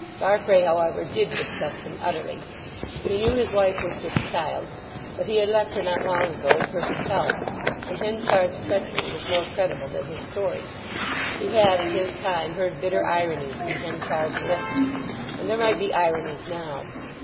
Farfrae, however, did distrust him utterly. He knew his wife was with child, but he had left her not long ago in perfect health; and Henchard's treachery was more credible than his story. He had in his time heard bitter ironies from Henchard's lips, and there might be ironies now.